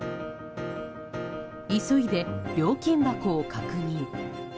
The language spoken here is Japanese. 急いで料金箱を確認。